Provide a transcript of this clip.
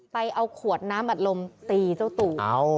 ไปเอาขวดน้ำอัดลมตีเจ้าตู่